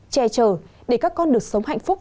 che chờ để các con được sống hạnh phúc